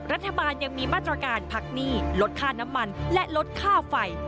รัฐบาลยังมีมาตรการพักหนี้ลดค่าน้ำมันและลดค่าไฟ